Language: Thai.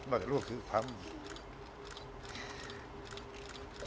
บอกยังว่ามันไม่ใช่